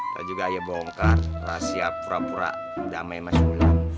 lalu juga ayah bongkar rahasia pura pura damai mas bulan